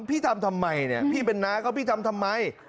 พี่ทำทำไมเนี่ยพี่เป็นน้าเขาพี่ทำทำไม